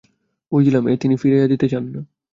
বুঝিলাম, এ তিনি ফিরাইয়া দিতে চান না।